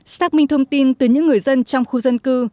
xác minh thông tin từ những người dân trong khu dân cư